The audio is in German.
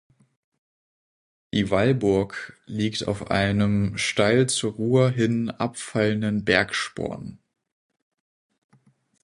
Die Wallburg liegt auf einem steil zur Ruhr hin abfallenden Bergsporn.